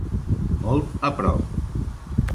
Molt a prop.